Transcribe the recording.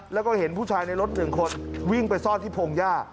แล้วก็เห็นผู้ชายในรถ๑คนวิ่งไปซ่อนที่พงหญ้า